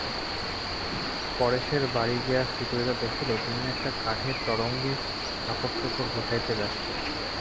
পরেশের বাড়ি গিয়া সুচরিতা দেখিল, তিনি একটা কাঠের তোরঙ্গে কাপড়চোপড় গোছাইতে ব্যস্ত।